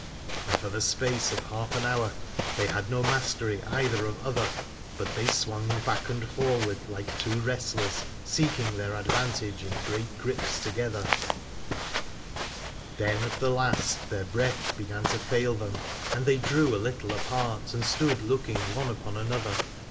And for the space of half an hour they had no mastery either of other, but they swung back and forward like two wrest lers, seeking their advantage in great grips together. 345 Aladore Then at the last their breath began to fail them, and they drew a little apart and stood looking one upon another.